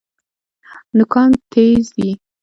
نوکان تیز دي.